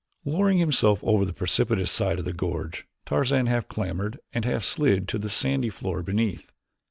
Lowering himself over the precipitous side of the gorge Tarzan half clambered and half slid to the sandy floor beneath.